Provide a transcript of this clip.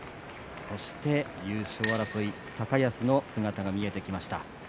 そして優勝争い、高安の姿が見えてきました。